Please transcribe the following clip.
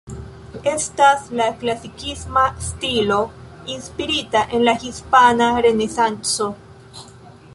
Estas de klasikisma stilo inspirita en la Hispana Renesanco.